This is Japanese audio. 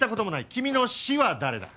君の師は誰だ？